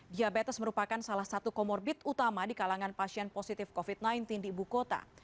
diabetes merupakan salah satu comorbid utama di kalangan pasien positif covid sembilan belas di ibu kota